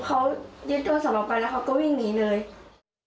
เขายึดโทรศัพท์ออกไปแล้วเขาก็วิ่งหนีเลย